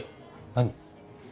何？